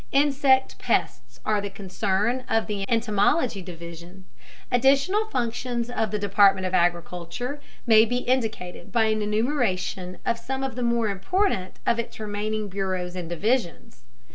Insect pests are the concern of the entomology division. Additional functions of the Department of Agriculture may be indicated by an enumeration of some of the more important of its remaining bureaus and divisions.